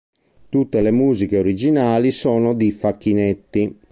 Tutte le musiche originali sono di Facchinetti.